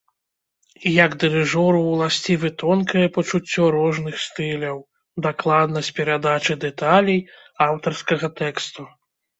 Як дырыжору уласцівы тонкае пачуццё розных стыляў, дакладнасць перадачы дэталей аўтарскага тэксту.